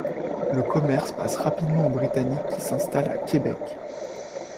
Le commerce passe rapidement aux Britanniques qui s'installent à Québec.